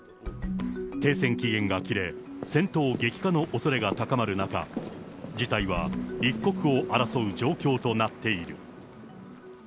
停戦期限が切れ、戦闘激化のおそれが高まる中、事態は一刻を争う状況となっている。